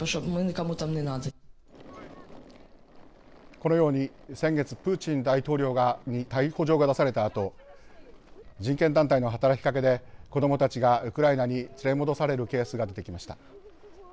このように先月、プーチン大統領に逮捕状が出されたあと人権団体の働きかけで子どもたちがウクライナに連れ戻されるケースが出てきました。